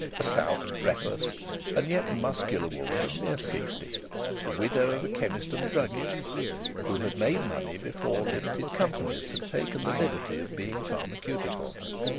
A stout, breathless, and yet muscular woman of near sixty, the widow of a chemist and druggist who had made money before limited companies had taken the liberty of being pharmaceutical.